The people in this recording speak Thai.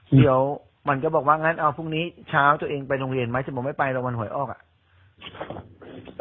เดี๋ยวมันก็บอกว่างั้นเอาพรุ่งนี้เช้าตัวเองไปโรงเรียนไหมถ้าผมไม่ไปรางวัลหวยออกอ่ะ